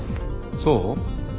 そう？